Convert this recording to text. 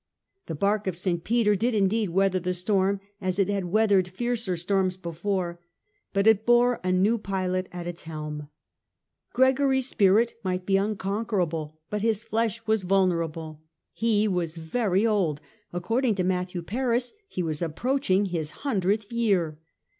The bark of St. Peter did indeed weather the storm as it had weathered fiercer storms before : but it bore a new pilot at its helm. Gregory's spirit might be un conquerable, but his flesh was vulnerable. He was very old : according to Matthew Paris he was approaching his hundredth year.